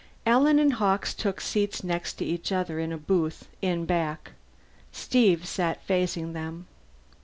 Alan and Hawkes took seats next to each other in a booth in back; Steve sat facing them.